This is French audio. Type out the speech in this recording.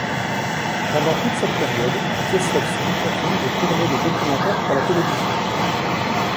Pendant toute cette période, Kieslowski continue de tourner des documentaires pour la télévision.